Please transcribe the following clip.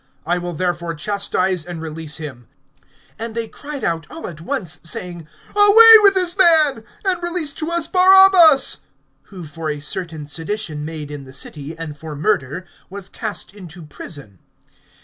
(16)I will therefore chastise, and release him. (17)[23:17] (18)And they cried out all at once, saying: Away with this man, and release to us Barabbas! (19)(who for a certain sedition made in the city, and for murder, was cast into prison.)